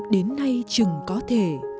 đến nay chừng có thể